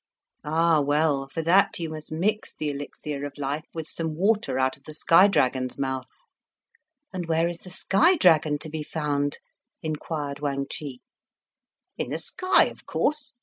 "Ah, well! For that you must mix the elixir of life with some water out of the sky dragon's mouth." "And where is the sky dragon to be found?" inquired Wang Chih. "In the sky, of course.